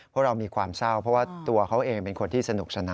เพราะเรามีความเศร้าเพราะว่าตัวเขาเองเป็นคนที่สนุกสนาน